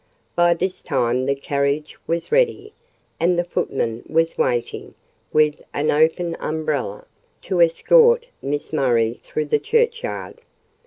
By this time the carriage was ready, and the footman was waiting, with an open umbrella, to escort Miss Murray through the churchyard.